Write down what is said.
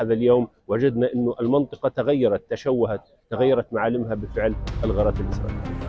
dan kita juga mencoba untuk mengubahnya dengan cara yang lebih baik